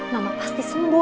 mama pasti sembuh